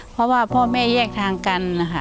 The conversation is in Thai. เพราะว่าพ่อแม่แยกทางกันนะคะ